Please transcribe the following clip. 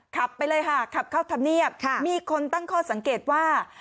ขับไปเลยค่ะขับเข้าธรรมเนียบมีคนตั้งข้อสังเกตว่า